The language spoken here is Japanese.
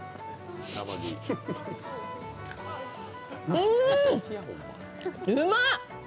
うん、うまっ！